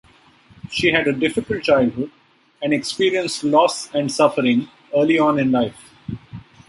She had a difficult childhood and experienced loss and suffering early on in life.